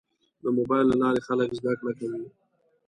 د موبایل له لارې خلک زده کړه کوي.